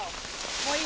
もういいよ。